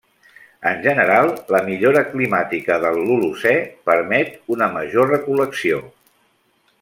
En general, la millora climàtica de l'Holocè permet una major recol·lecció.